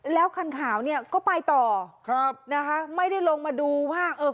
แล้วคันขาวเนี่ยก็ไปต่อครับนะคะไม่ได้ลงมาดูว่าเออ